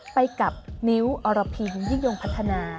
ไปกับนิ้วอรพินยิ่งยงพัฒนา